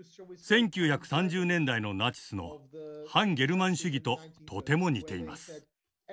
１９３０年代のナチスの汎ゲルマン主義ととても似ています。